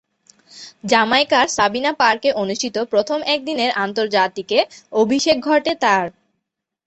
জ্যামাইকার Sabina পার্কে অনুষ্ঠিত প্রথম একদিনের আন্তর্জাতিকে অভিষেক ঘটে তার।